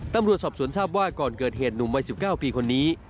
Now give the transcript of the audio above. ตำรวจสอบสวนทราบว่าก่อนเกิดเหตุหนุ่มวัย๑๙ปีคนนี้